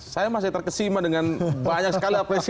saya masih terkesima dengan banyak sekali apresiasi